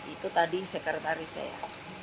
itu tadi sekretaris saya